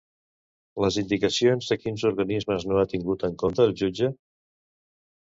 Les indicacions de quins organismes no ha tingut en compte el jutge?